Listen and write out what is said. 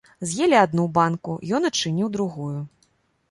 З'елі адну банку, ён адчыніў другую.